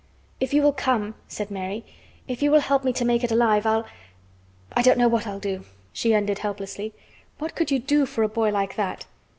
"If you will come," said Mary, "if you will help me to make it alive I'll—I don't know what I'll do," she ended helplessly. What could you do for a boy like that?